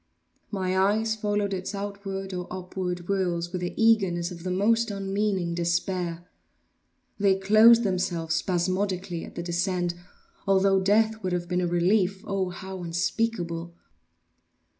My eyes followed its outward or upward whirls with the eagerness of the most unmeaning despair; they closed themselves spasmodically at the descent, although death would have been a relief, oh, how unspeakable!